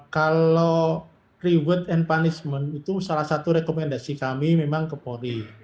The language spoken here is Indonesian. kalau reward and punishment itu salah satu rekomendasi kami memang ke polri